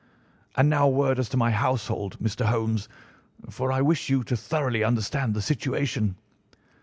"And now a word as to my household, Mr. Holmes, for I wish you to thoroughly understand the situation.